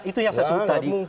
itu yang saya sebut tadi